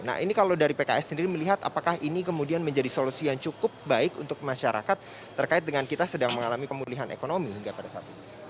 nah ini kalau dari pks sendiri melihat apakah ini kemudian menjadi solusi yang cukup baik untuk masyarakat terkait dengan kita sedang mengalami pemulihan ekonomi hingga pada saat ini